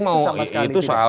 masih sama sekali tidak